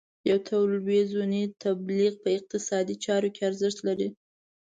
یو تلویزیوني تبلیغ په اقتصادي چارو کې ارزښت لري.